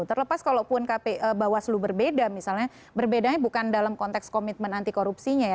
terlepas kalaupun bawaslu berbeda misalnya berbedanya bukan dalam konteks komitmen anti korupsinya ya